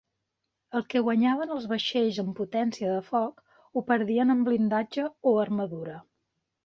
El que guanyaven els vaixells en potència de foc ho perdien en blindatge o armadura.